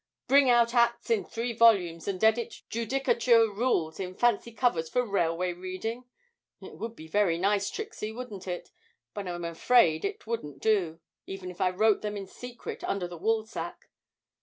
'Bring out Acts in three volumes, and edit Judicature Rules in fancy covers for railway reading? It would be very nice, Trixie, wouldn't it? But I'm afraid it wouldn't do, even if I wrote them in secret, under the Woolsack.